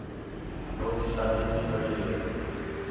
ہو تی شادی تھی کھڑ ہے